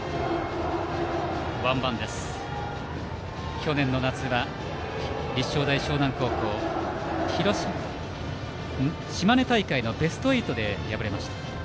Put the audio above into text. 去年の夏は立正大淞南高校島根大会のベスト８で敗れました。